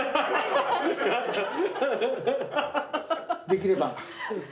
できれば。